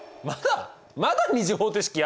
まだ２次方程式やんの？